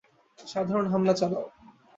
সাধারণ হামলা চালাও।